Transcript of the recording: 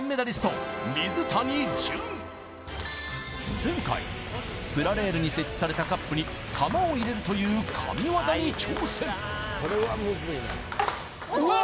前回プラレールに設置されたカップに球を入れるという神業に挑戦わー！